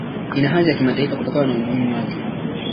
Ina hadhi ya Kimataifa kutokana na umuhimu wake